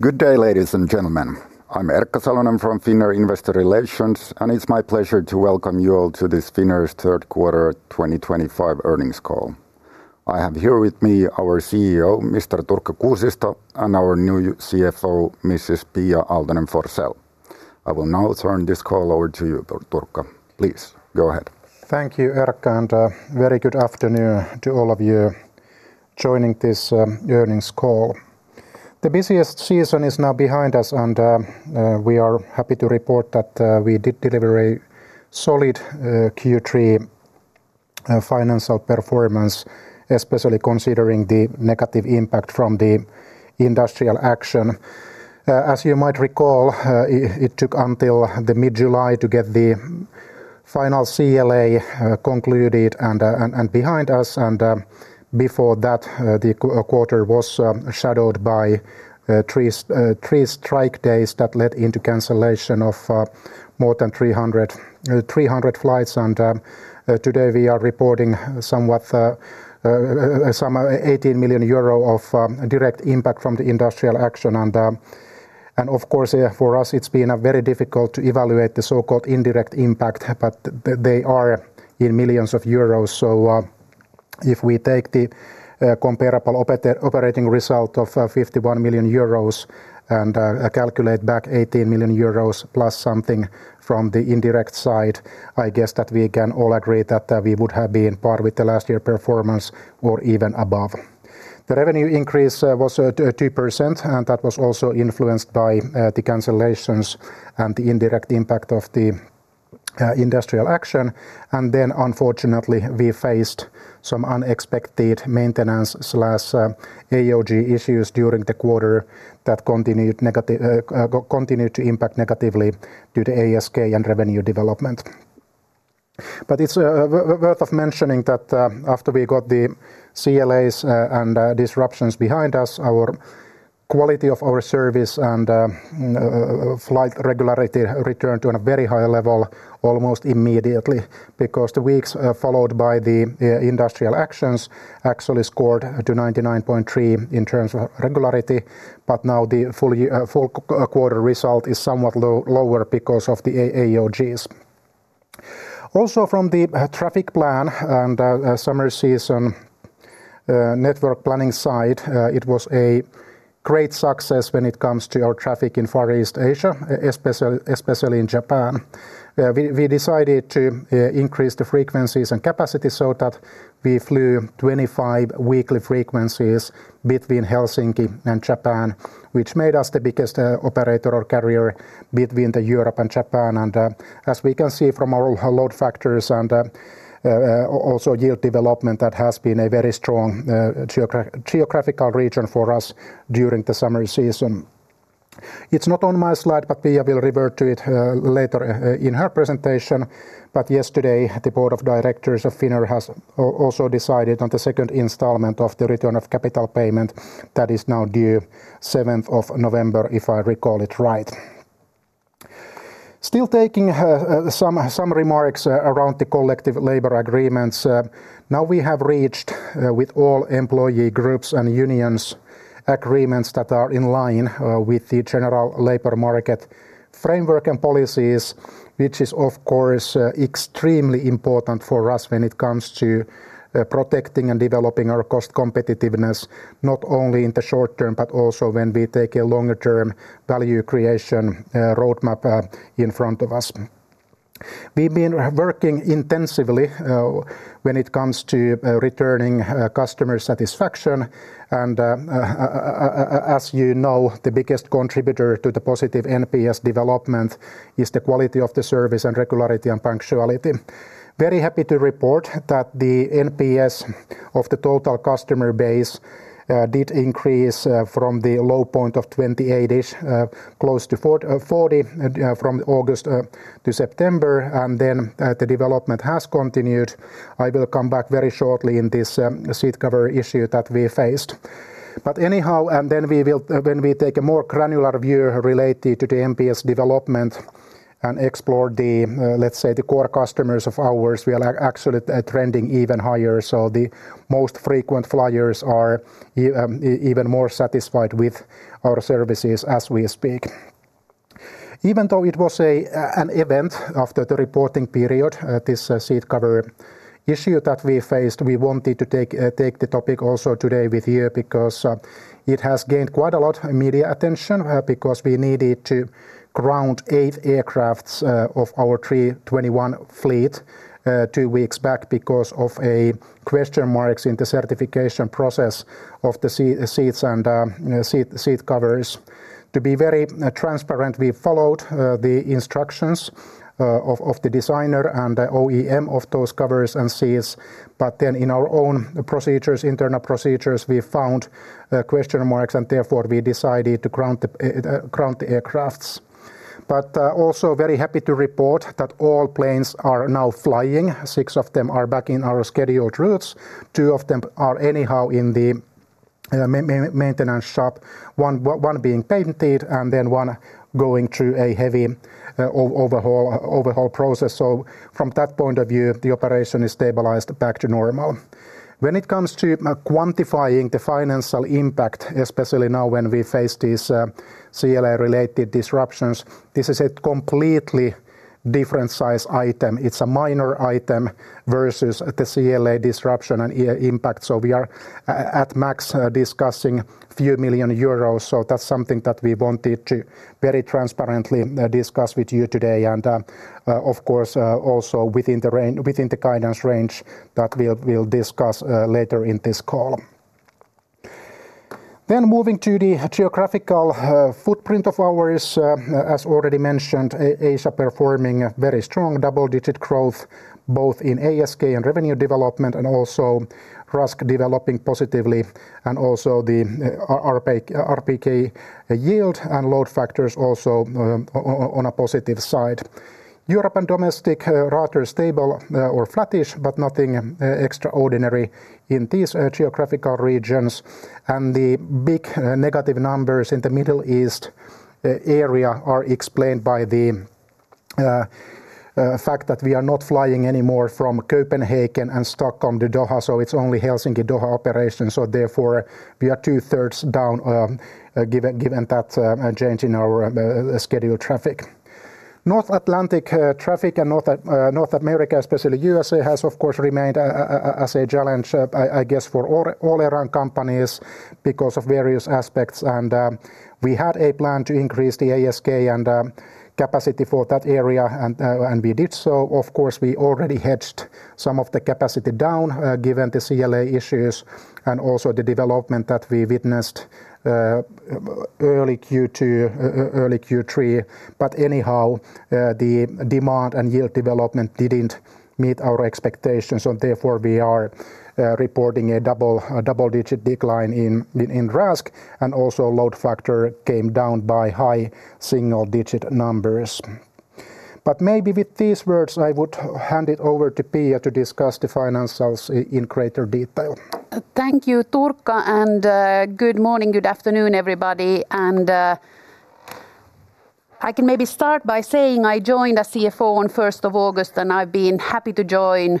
Good day, ladies and gentlemen, I'm Erkka Salonen from Finnair Investor Relations and it's my pleasure to welcome you all to this Finnair's third quarter 2025 earnings call. I have here with me our CEO, Mr. Turkka Kuusisto, and our new CFO, Mrs. Pia Aaltonen-Forsell. I will now turn this call over to you, Turkka. Please go ahead. Thank you, Erk. Very good afternoon to all of you joining this earnings call. The busiest season is now behind us and we are happy to report that we did deliver a solid Q3 financial performance, especially considering the negative impact from the industrial action. As you might recall, it took until mid-July to get the final CLA concluded and behind us. Before that, the quarter was shadowed by three strike days that led to cancellation of more than 300 flights. Today we are reporting some €18 million of direct impact from the industrial action. Of course, for us it's been very difficult to evaluate the so-called indirect impact, but they are in millions of euros. If we take the comparable operating result of €51 million and calculate back €18 million plus something from the indirect side, I guess that we can all agree that we would have been at par with last year's performance or even above. The revenue increase was 2% and that was also influenced by the cancellations and the indirect impact of the industrial action. Unfortunately, we faced some unexpected maintenance aircraft-on-ground (AOG) issues during the quarter that continued to impact negatively due to ASK and revenue development. It's worth mentioning that after we got the CLAs and disruptions behind us, our quality of service and flight regularity returned to a very high level almost immediately because the weeks following the industrial actions actually scored to 99.3% in terms of regularity. Now the full quarter result is somewhat lower because of the AOGs. Also, from the traffic plan and summer season network planning side, it was a great success when it comes to our traffic in Far East Asia, especially in Japan. We decided to increase the frequencies and capacity so that we flew 25 weekly frequencies between Helsinki and Japan, which made us the biggest operator or carrier between Europe and Japan. As we can see from our load factors and also yield development, that has been a very strong geographical region for us during the summer season. It's not on my slide, but Pia will revert to it later in her presentation. Yesterday, the Board of Directors of Finnair has also decided on the second installment of the return of capital payment that is now due 7th of November if I recall it right, still taking some remarks around the collective labor agreements. Now we have reached with all employee groups and unions agreements that are in line with the general labor market framework and policies, which is of course extremely important for us when it comes to protecting and developing our cost competitiveness not only in the short term but also when we take a longer term value creation roadmap in front of us. We've been working intensively when it comes to returning customer satisfaction and as you know, the biggest contributor to the positive NPS development is the quality of the service and regularity and punctuality. Very happy to report that the NPS of the total customer base did increase from the low point of 28-ish close to 40 from August to September, and then the development has continued. I will come back very shortly in this seat cover issue that we faced. Anyhow, when we take a more granular view related to the NPS development and explore the, let's say, the core customers of ours, we are actually trending even higher. The most frequent flyers are even more satisfied with our services as we speak. Even though it was an event after the reporting period, this seat cover issue that we faced, we wanted to take the topic also today with you because it has gained quite a lot of media attention because we needed to ground eight aircraft of our Airbus A321 fleet two weeks back because of question marks in the certification process of the seats and seat covers. To be very transparent, we followed the instructions of the designer and the OEM of those covers and seals. In our own internal procedures, we found question marks and therefore we decided to ground the aircraft. Also very happy to report that all planes are now flying. Six of them are back in our scheduled routes, two of them are in the maintenance shop, one being patented and one going through a heavy overhaul process. From that point of view, the operation is stabilized back to normal. When it comes to quantifying the financial impact, especially now when we face these CLA-related disruptions, this is a completely different size item, it's a minor item versus the CLA disruption and impact. We are at max discussing a few million. That's something that we wanted to very transparently discuss with you today and of course also within the guidance range that we'll discuss later in this call. Moving to the geographical footprint of ours. As already mentioned, Asia performing very strong double-digit growth both in ASK and revenue development, and also RASK developing positively, and also the RPK yield and load. Both factors also on a positive side. Europe and domestic rather stable or flattish, but nothing extraordinary in these geographical regions. The big negative numbers in the Middle East area are explained by the fact that we are not flying anymore from Copenhagen and Stockholm to Doha. It's only Helsinki–Doha operations. Therefore, we are two-thirds down given that change in our scheduled traffic. North Atlantic traffic and North America, especially USA, has of course remained as a challenge, I guess, for all around companies because of various aspects, and we had a plan to increase the ASK and capacity for that area, and we did so. Of course, we already hedged some of the capacity down given the CLA issues and also the development that we witnessed early Q2, early Q3, but anyhow the demand and yield development didn't meet our expectations, and therefore we are reporting a double-digit decline in RASK, and also load factor came down by high single-digit numbers. Maybe with these words I would hand it over to Pia to discuss the financials in greater detail. Thank you, Turkka, and good morning. Good afternoon, everybody. I can maybe start by saying I joined as CFO on August 1 and I've been happy to join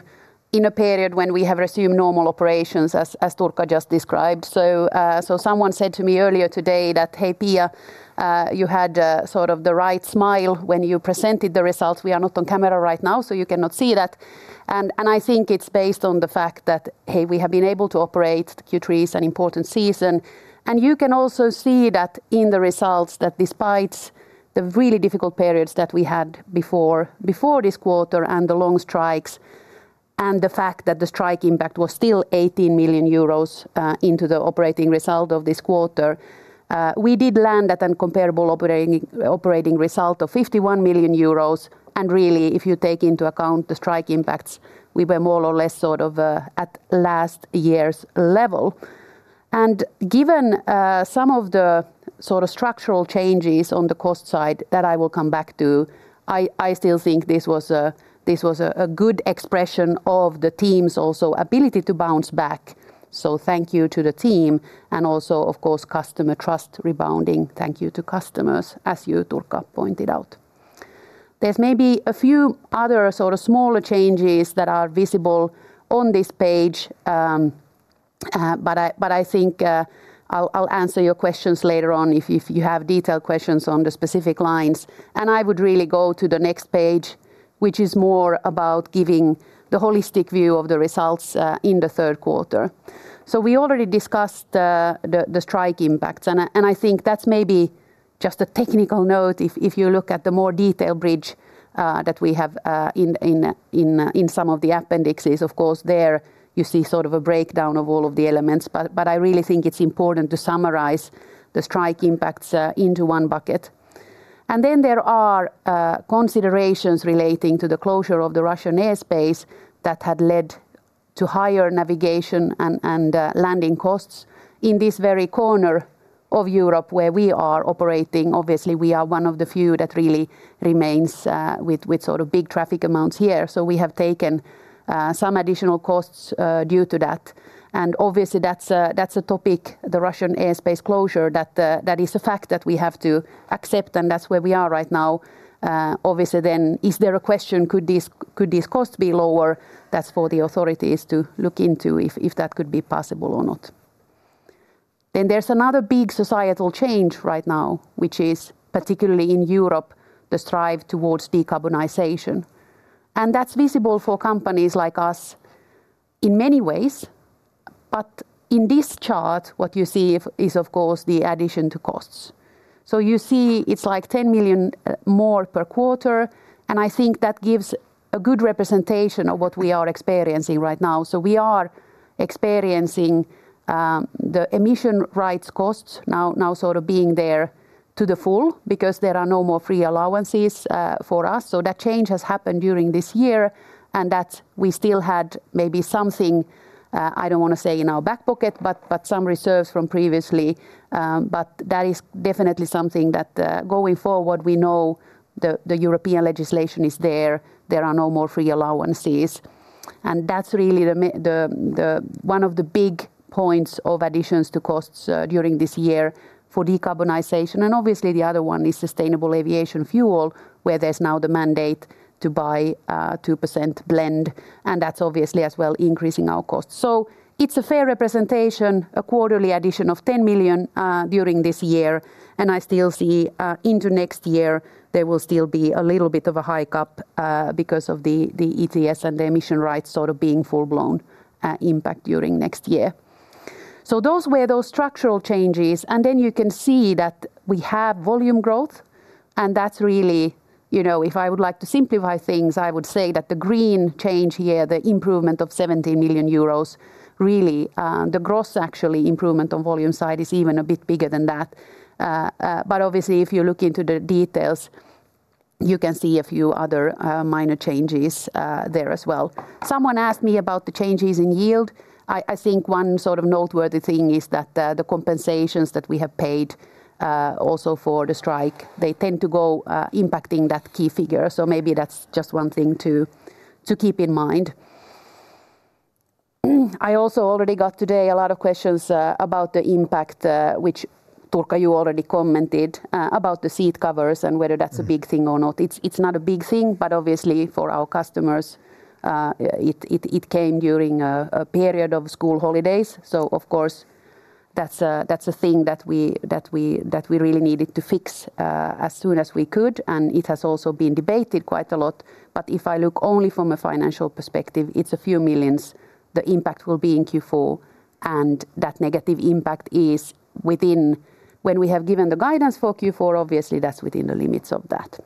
in a period when we have resumed normal operations as Turkka just described. Someone said to me earlier today that, hey Pia, you had sort of the right smile when you presented the results. We are not on camera right now, so you cannot see that. I think it's based on the fact that, hey, we have been able to operate. Q3 is an important season and you can also see that in the results, that despite the really difficult periods that we had before this quarter and the long strikes and the fact that the strike impact was still €18 million into the operating result of this quarter, we did land at a comparable operating result of €51 million. If you take into account the strike impacts, we were more or less at last year's level and given some of the sort of structural changes on the cost side that I will come back to, I still think this was a good expression of the team's ability to bounce back. Thank you to the team and also, of course, customer trust rebounding. Thank you to customers. As you, Turkka, pointed out, there are maybe a few other smaller changes that are visible on this page, but I think I'll answer your questions later on if you have detailed questions on the specific lines. I would really go to the next page, which is more about giving the holistic view of the results in the third quarter. We already discussed the strike impacts and I think that's maybe just a technical note. If you look at the more detailed bridge that we have in some of the appendixes, there you see a breakdown of all of the elements. I really think it's important to summarize the strike impacts into one bucket. There are considerations relating to the closure of the Russian airspace that have led to higher navigation and landing costs in this very corner of Europe where we are operating. Obviously, we are one of the few that really remains with big traffic amounts here. We have taken some additional costs due to that. Obviously, that's a topic, the Russian airspace closure. That is a fact that we have to accept. That's where we are right now, obviously. Is there a question, could these costs be lower? That's for the authorities to look into if that could be possible or not. There is another big societal change right now, which is particularly in Europe, the strive towards decarbonization. That is visible for companies like us in many ways. In this chart, what you see is, of course, the addition to costs. You see it's like €10 million more per quarter. I think that gives a good representation of what we are experiencing right now. We are experiencing the emission rights costs now sort of being there to the full because there are no more free allowances for us. That change has happened during this year, and we still had maybe something, I don't want to say in our back pocket, but some reserves from previously. That is definitely something that, going forward, we know the European legislation is there, there are no more free allowances. That is really one of the big points of additions to costs during this year for decarbonization. Obviously, the other one is sustainable aviation fuel where there's now the mandate to buy 2% blend. That is obviously as well increasing our costs. It's a fair representation, a quarterly addition of €10 million during this year. I still see into next year there will still be a little bit of a hike up because of the ETS and the emission rights sort of being full blown impact during next year. Those were those structural changes. You can see that we have volume growth and that's really, you know, if I would like to simplify things, I would say that the green change here, the improvement of €17 million, really the gross actually improvement on volume side is even a bit bigger than that. Obviously, if you look into the details, you can see a few other minor changes there as well. Someone asked me about the changes in yield. I think one noteworthy thing is that the compensations that we have paid also for the strike, they tend to go impacting that key figure. Maybe that's just one thing to keep in mind. I also already got today a lot of questions about the impact which Turkka, you already commented about the seat covers and whether that's a big thing or not. It's not a big thing, but obviously for our customers it came during a period of school holidays. Of course, that's a thing that we really needed to fix as soon as we could. It has also been debated quite a lot. If I look only from a financial perspective, it's a few millions. The impact will be in Q4 and that negative impact is within when we have given the guidance for Q4. Obviously, that's within the limits of that.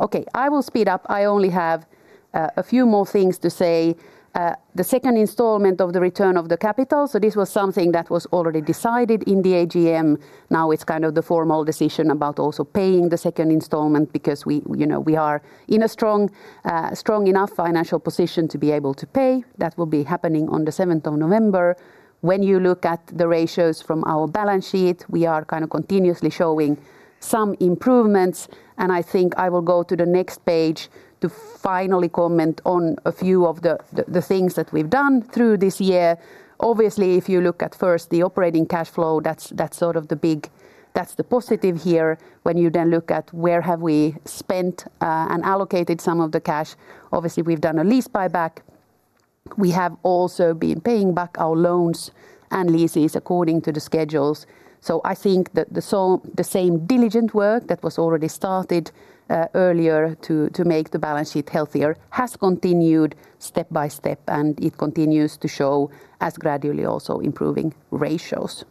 Okay, I will speed up. I only have a few more things to say. The second installment of the return of the capital. This was something that was already decided in the AGM. Now it's kind of the formal decision about also paying the second installment because we are in a strong enough financial position to be able to pay. That will be happening on the 7th of November. When you look at the ratios from our balance sheet, we are kind of continuously showing some improvements, and I think I will go to the next page to finally comment on a few of the things that we've done through this year. Obviously, if you look at first the operating cash flow, that's sort of the big, that's the positive here. When you then look at where have we spent and allocated some of the cash. We've done a lease buyback. We have also been paying back our loans and leases according to the schedules. I think that the same diligent work that was already started earlier to make the balance sheet healthier has continued step by step, and it continues to show as gradually also improving ratios.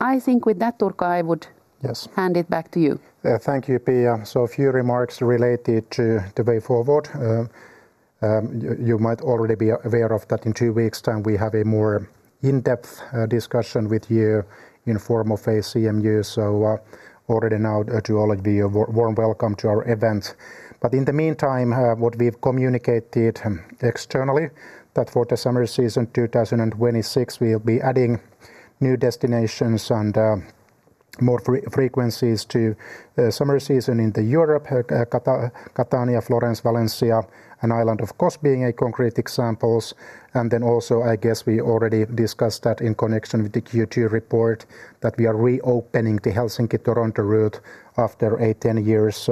I think with that, Turkka, I would hand it back to you. Thank you, Pia. A few remarks related to the way forward. You might already be aware that in two weeks' time we have a more in-depth discussion with you in the form of ACMU. Already now, geologically, a warm welcome to our event. In the meantime, what we've communicated externally is that for the summer season 2026, we'll be adding new destinations and more frequencies to the summer season in Europe. Catania, Florence, Valencia, and Island, of course, being a concrete example. I guess we already discussed in connection with the Q2 report that we are reopening the Helsinki–Toronto route after 10 years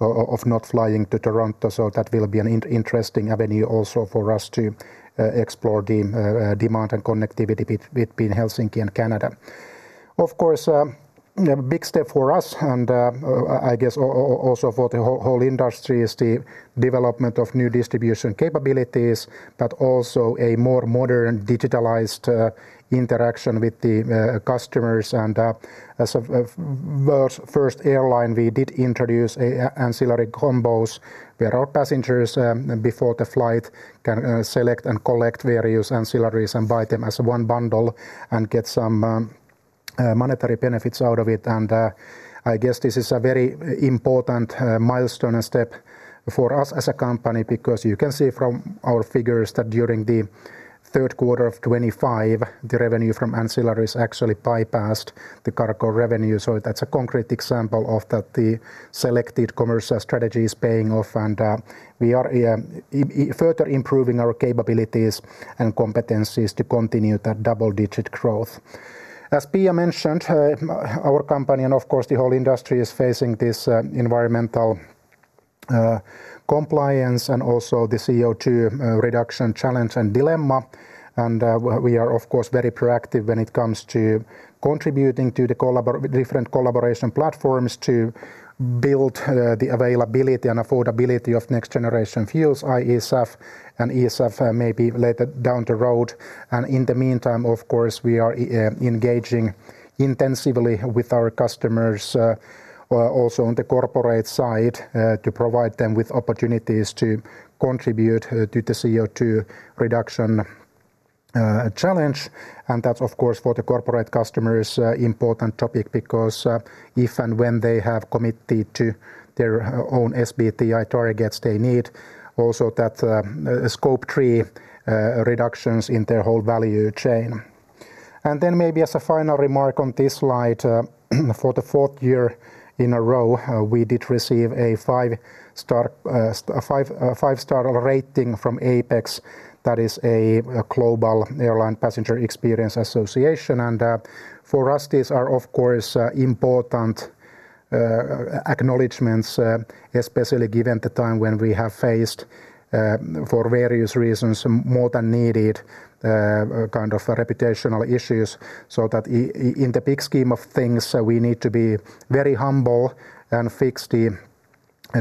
of not flying to Toronto. That will be an interesting avenue for us to explore the demand and connectivity between Helsinki and Canada. A big step for us, and I guess also for the whole industry, is the development of new distribution capabilities, as well as a more modern, digitalized interaction with the customers. As the world's first airline, we did introduce ancillary combos where our passengers before the flight can select and collect various ancillaries and buy them as one bundle and get some monetary benefits out of it. This is a very important milestone step for us as a company because you can see from our figures that during 3Q25 the revenue from ancillaries actually bypassed the cargo revenue. That's a concrete example of the selected commercial strategy paying off, and we are further improving our capabilities and competencies to continue that double-digit growth. As Pia mentioned, our company and the whole industry is facing this environmental compliance and the CO2 reduction challenge and dilemma. We are very proactive when it comes to contributing to the different collaboration platforms to build the availability and affordability of next-generation fuels, SAF and eSAF maybe later down the road. In the meantime, we are engaging intensively with our customers, also on the corporate side, to provide them with opportunities to contribute to the CO2 reduction challenge. That's an important topic for the corporate customers because if and when they have committed to their own SBTi targets, they need that scope 3 reduction in their whole value chain. As a final remark on this slide, for the fourth year in a row, we did receive a five-star rating from APEX, which is a global airline Passenger Experience Association. For us these are of course important acknowledgments, especially given the time when we have faced for various reasons, more than needed, kind of reputational issues. In the big scheme of things we need to be very humble and fix the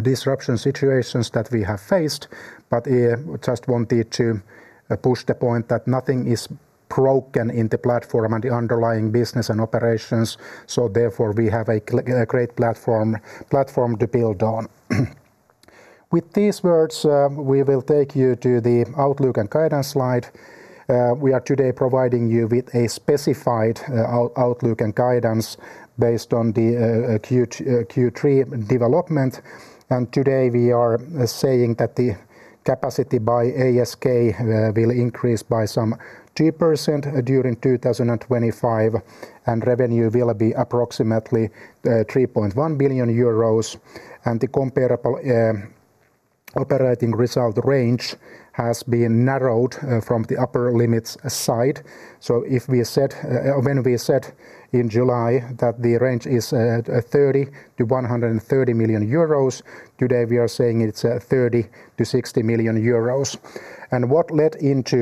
disruption situations that we have faced. I just wanted to push the point that nothing is broken in the platform and the underlying business and operations. Therefore we have a great platform to build on. With these words we will take you to the outlook and guidance slide. We are today providing you with a specified outlook and guidance based on the Q3 development. Today we are saying that the capacity by ASK will increase by some 2% during 2025 and revenue will be approximately €3.1 billion. The comparable operating result range has been narrowed from the upper limit side. When we said in July that the range is €30 million to €130 million, today we are saying it's €30 million to €60 million. What led into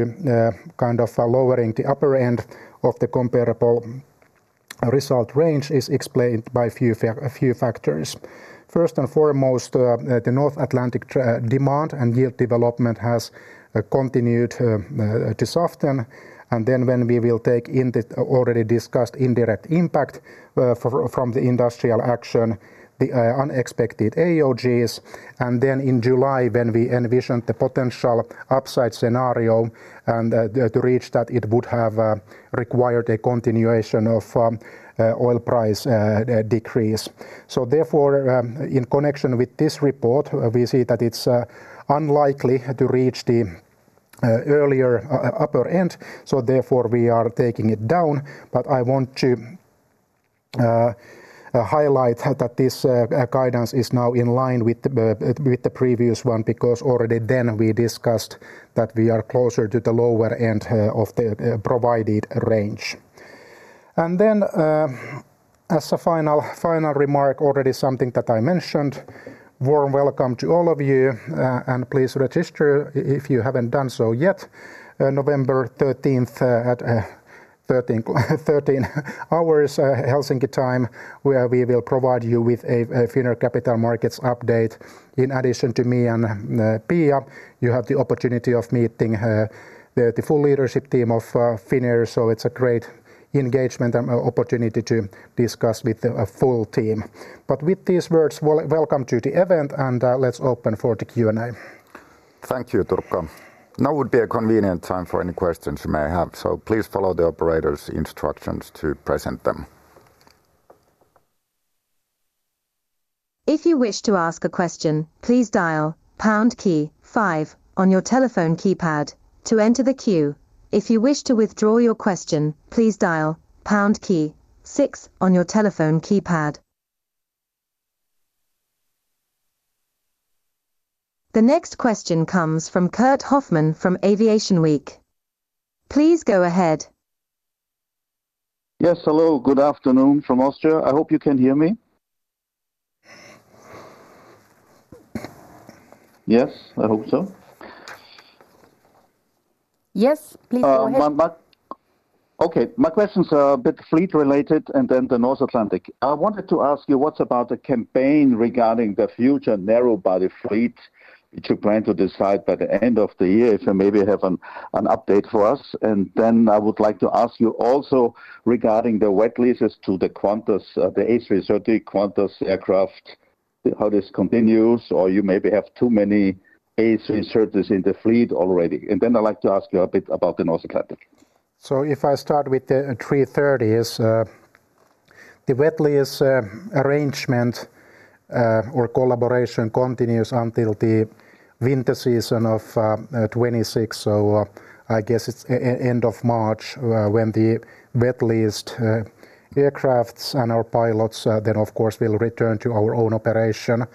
lowering the upper end of the comparable result range is explained by a few factors. First and foremost, the North Atlantic demand and yield development has continued to soften. When we take already discussed indirect impact from the industrial action, the unexpected aircraft-on-ground (AOGs), and then in July when we envisioned the potential upside scenario, to reach that it would have required a continuation of oil price decrease. In connection with this report we see that it's unlikely to reach the earlier upper end. Therefore we are taking it down. I want to highlight that this guidance is now in line with the previous one because already then we discussed that we are closer to the lower end of the provided range. As a final remark, already something that I mentioned, warm welcome to all of you and please register if you haven't done so yet. November 13th at 13:00 Helsinki time, where we will provide you with a Finnair Capital Markets Day update. In addition to me and Pia, you have the opportunity of meeting the full leadership team of Finnair. It's a great engagement and opportunity to discuss with a full team. With these words, welcome to the event and let's open for the Q&A. Thank you, Turkka. Now would be a convenient time for any questions you may have. Please follow the operator's instructions to present them. If you wish to ask a question, please dial on your telephone keypad to enter the queue. If you wish to withdraw your question, please dial 6 on your telephone keypad. The next question comes from Kurt Hofmann from Aviation Week. Please go ahead. Yes, hello, good afternoon from Austria. I hope you can hear me. I hope so. Yes, please go ahead. Okay, my questions are a bit fleet related. Regarding the North Atlantic, I wanted to ask you about the campaign regarding the future narrowbody fleet. Plan to decide by the end of the year if you maybe have an update for us. I would like to ask you also regarding the wet leases to Qantas, the Airbus A330 Qantas aircraft, how this continues or if you maybe have too many A330s in the fleet already. I would also like to ask you a bit about the North Atlantic. If I start with the A330s, the wet lease arrangement, our collaboration continues until the winter season of 2026. I guess it's end of March when the wet leased aircraft and our pilots then of course will return to our own operation.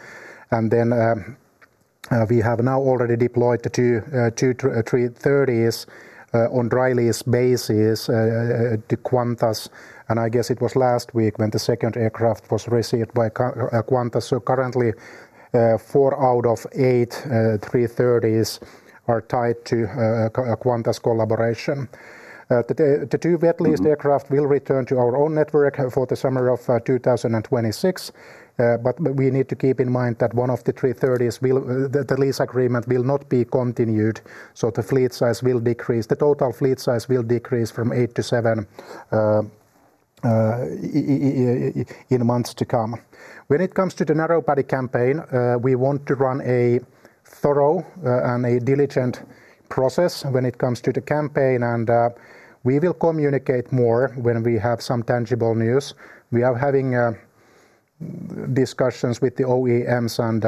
We have now already deployed the two A330s on a rolling basis to Qantas. I guess it was last week when the second aircraft was received by Qantas. Currently, four out of eight A330s are tied to the Qantas collaboration. The two wet leased aircraft will return to our own network for the summer of 2026. We need to keep in mind that one of the A330s, the lease agreement will not be continued. The fleet size will decrease, the total fleet size will decrease from 8 to 7 in months to come. When it comes to the narrowbody campaign, we want to run a thorough and diligent process when it comes to the campaign and we will communicate more when we have some tangible news. We are having discussions with the OEMs and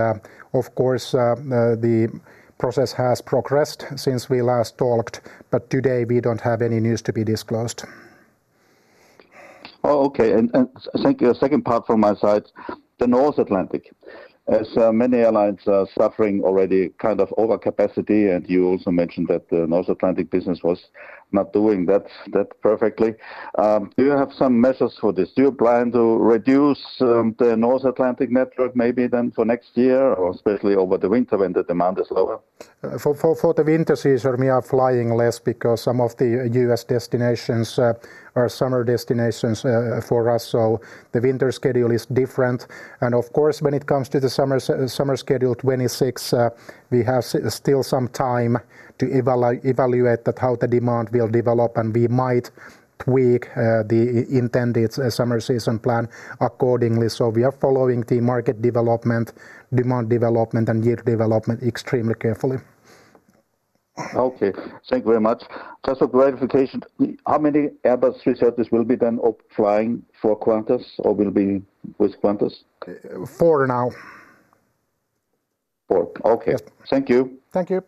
of course the process has progressed since we last talked, but today we don't have any news to be disclosed. Okay, and second part from my side, the North Atlantic, as many airlines are suffering already kind of overcapacity, and you also mentioned that the North Atlantic business was not doing that perfectly. Do you have some measures for this? Do you plan to reduce the North Atlantic network? Maybe then for next year or especially over the winter when the demand is. Lower for the winter season, we are flying less because some of the U.S. destinations are summer destinations for us. The winter schedule is different. When it comes to the summer schedule, 2026, we have still some time to evaluate how the demand will develop and we might tweak the intended summer season plan accordingly. We are following the market development, demand development, and year development extremely carefully. Okay, thank you very much. Just for clarification, how many Airbus A330s will be done flying for Qantas or will be with Qantas? Four now. Four. Okay, thank you. Thank you.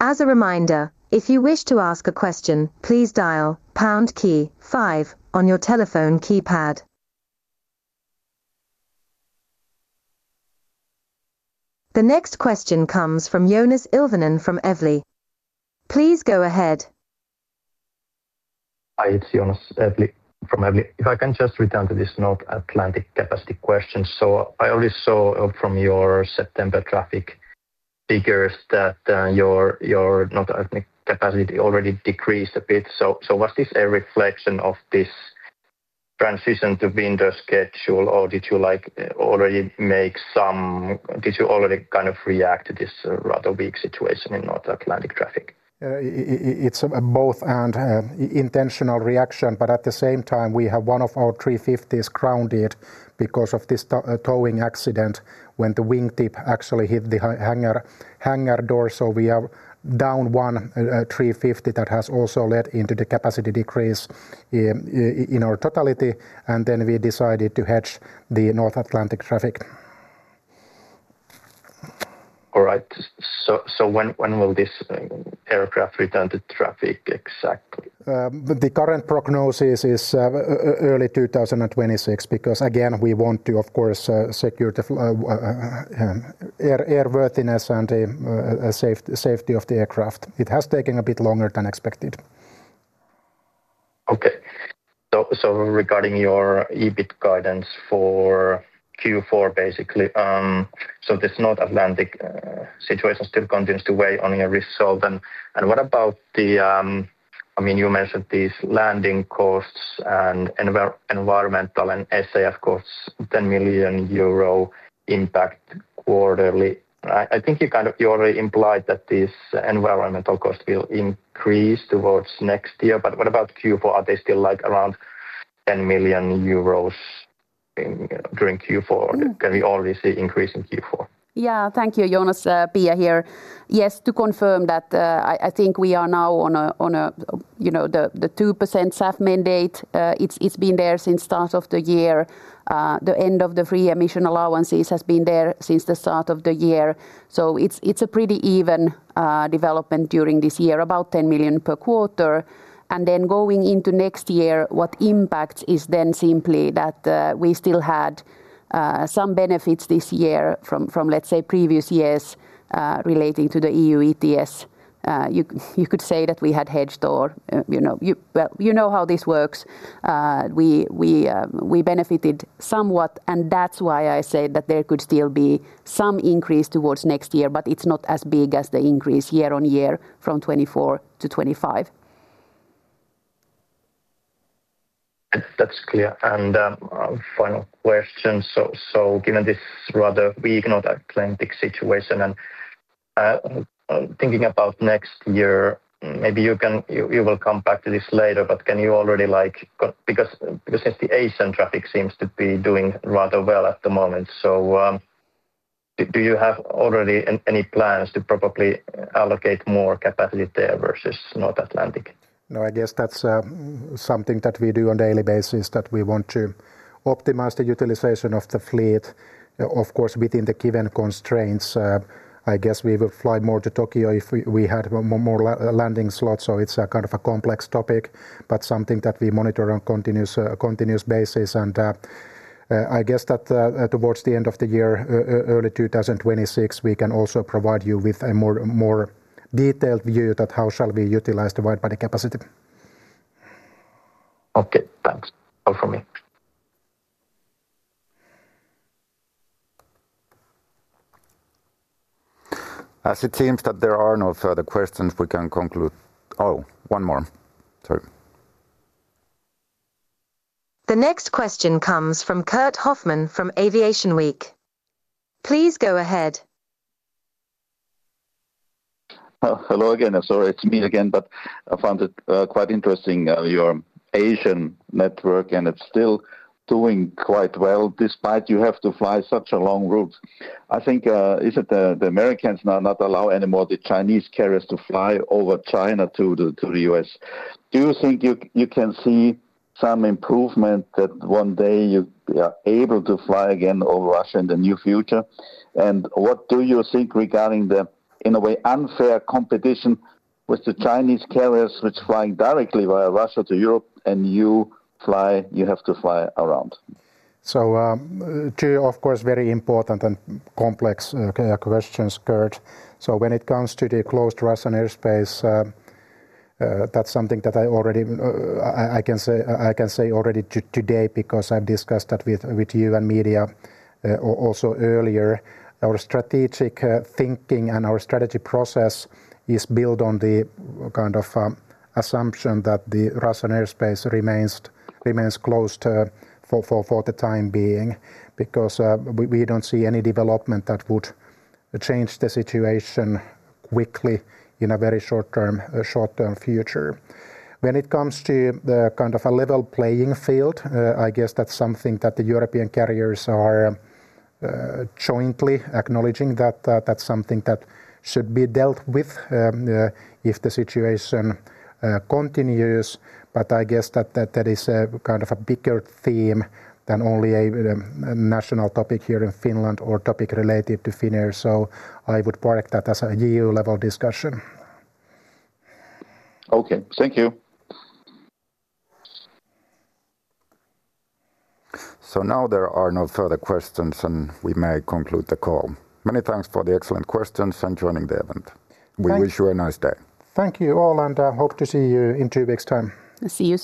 As a reminder, if you wish to ask a question, please dial pound key five on your telephone keypad. The next question comes from Joonas Ilvonen from Evli. Please go ahead. Hi, it's Joonas from Evli. If I can just return to this North Atlantic capacity question. I already saw from your September traffic figures that your North Atlantic capacity already decreased a bit. Was this a reflection of this transition to winter schedule, or did you already make some, did you already kind of react to this rather weak situation in North Atlantic traffic? It's both an intentional reaction. At the same time, we have one of our A350s grounded because of this towing accident when the wingtip actually hit the hangar and hangar door. We are down one A350. That has also led to the capacity decrease in our totality. We decided to hedge the North Atlantic traffic. All right, when will this aircraft return to traffic exactly? The current prognosis is early 2026 because again we want to, of course, ensure security, airworthiness, and safety of the aircraft. It has taken a bit longer than expected. Okay, regarding your EBIT guidance for Q4, this North Atlantic situation still continues to weigh on your resolve. What about the, I mean, you mentioned these landing costs and environmental and SAF cost €10 million impact quarterly. I think you kind of already implied that this environmental cost will increase towards next year. What about Q4? Are they still like around €10 million during Q4? Can we already see increase in Q4? Yeah, thank you, Joonas. Pia here. Yes, to confirm that I think we are now on the 2% SAF mandate. It's been there since start of the year. The end of the free emission allowances has been there since the start of the year. It's a pretty even development during this year, about €10 million per quarter. Going into next year, what impacts is then simply that we still had some benefits this year from, let's say, previous years relating to the EU ETS. You could say that we had hedged or, you know how this works, we benefited somewhat and that's why I said that there could still be some increase towards next year. It's not as big as the increase year on year from 2024 to 2025. That's clear. Final question. Given this rather, we ignored North Atlantic situation and thinking about next year, maybe you can. You will come back to this later, but can you already, like, because the Asian traffic seems to be doing rather well at the moment, do you have already any plans to probably allocate more capacity there versus North Atlantic? No, I guess that's something that we do on a daily basis, that we want to optimize the utilization of the fleet, of course, within the given constraints. I guess we would fly more to Tokyo if we had more landing slots. It's a kind of a complex topic, but something that we monitor on a continuous basis. I guess that towards the end of the year, early 2026, we can also provide you with a more detailed view of how shall we utilize the widebody capacity. Okay, thanks all from me. As it seems that there are no further questions, we can conclude. Oh, one more. Sorry. The next question comes from Kurt Hofmann from Aviation Week. Please go ahead. Hello again. Sorry, it's me again, but I found it quite interesting your Asian network and it's still doing quite well. Despite you have to fly such a long route, I think is it the Americans now not allow anymore the Chinese carriers to fly over China to the U.S.? Do you think you can see some improvement that one day you are able to fly again over Russia in the near future? What do you think regarding them in a way unfair competition with the Chinese carriers which flying directly via Russia to Europe and you fly. You have to fly around. Two, of course, very important and complex questions, Kurt. When it comes to the closed Russian airspace, that's something that I already, I can say already today because I've discussed that with you and media also earlier. Our strategic thinking and our strategy process is built on the kind of assumption that the Russian airspace remains closed for the time being because we don't see any development that would change the situation quickly in a very short term future when it comes to kind of a level playing field. I guess that's something that the European carriers are jointly acknowledging that that's something that should be dealt with if the situation continues. I guess that is kind of a bigger theme than only a national topic here in Finland or topic related to Finnair. I would mark that as a EU level discussion. Okay, thank. You. There are no further questions and we may conclude the call. Many thanks for the excellent questions and joining the event. We wish you a nice day, thank you. You all, and hope to see you in two weeks' time. See you soon.